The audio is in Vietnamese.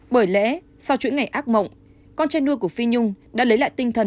bởi lẽ sau chuỗi ngày ác mộng con trai nuôi của phi nhung đã lấy lại tinh thần